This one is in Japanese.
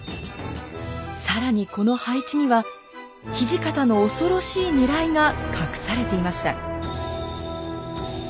更にこの配置には土方の恐ろしいねらいが隠されていました。